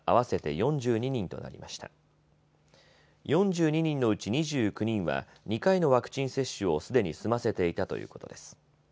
４２人のうち２９人は２回のワクチン接種をすでに済ませていたということです。